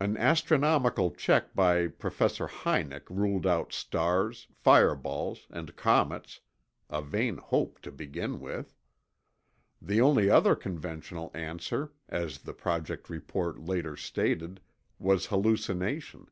An astronomical check by Professor Hynek ruled out stars, fireballs, and comets—a vain hope, to begin with. The only other conventional answer, as the Project report later stated, was hallucination.